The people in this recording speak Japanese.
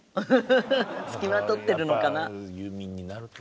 フフフ付きまとってるのかな。